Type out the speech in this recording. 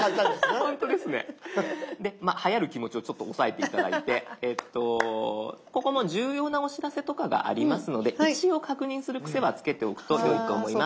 はやる気持ちをちょっと抑えて頂いてここの「重要なお知らせ」とかがありますので一応確認する癖はつけておくとよいと思います。